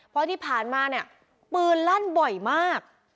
เพราะที่ผ่านมาเนี่ยปืนลั่นบ่อยมาก